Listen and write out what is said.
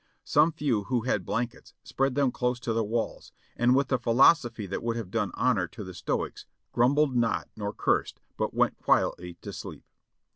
Some few who had blankets spread them close to the walls, and with the philosophy that would have done honor to the Stoics grumbled not nor cursed, but went quietly to sleep.